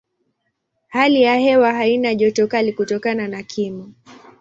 Hali ya hewa haina joto kali kutokana na kimo.